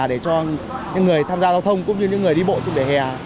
để cho những người tham gia giao thông cũng như những người đi bộ trên bể hè